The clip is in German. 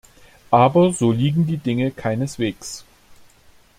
Aber so liegen die Dinge keineswegs.